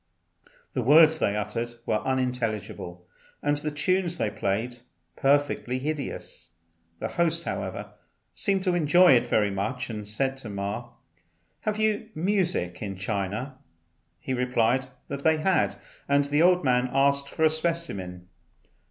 The words they uttered were unintelligible, and the tunes they played perfectly hideous. The host, however, seemed to enjoy it very much, and said to Ma, "Have you music in China?" He replied that they had, and the old man asked for a specimen.